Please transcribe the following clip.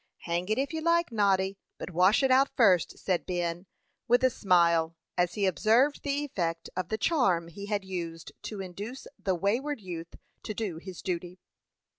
"Hang it, if you like, Noddy, but wash it out first," said Ben, with a smile, as he observed the effect of the charm he had used to induce the wayward youth to do his duty.